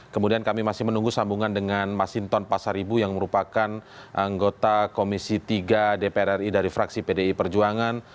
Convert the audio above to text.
kemudian kami masih menunggu sambungan dengan masinton pasaribu yang merupakan anggota komisi tiga dpr ri dari fraksi pdi perjuangan